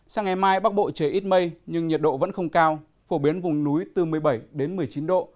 sáng ngày mai bắc bộ trời ít mây nhưng nhiệt độ vẫn không cao phổ biến vùng núi từ một mươi bảy đến một mươi chín độ